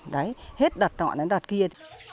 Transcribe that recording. đấy hết đợt nọ đến đợt kia